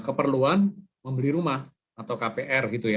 keperluan membeli rumah atau kpr gitu ya